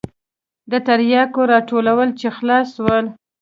د ترياکو راټولول چې خلاص سول.